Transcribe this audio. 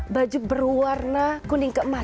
baju berwarna kuning kemasan